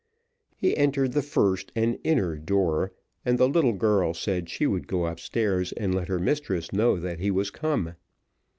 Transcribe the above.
He entered the first and inner door, and the little girl said she would go upstairs and let her mistress know that he was come.